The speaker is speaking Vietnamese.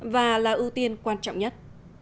và là ưu tiên quan trọng nhất